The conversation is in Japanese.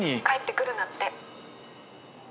帰ってくるなって。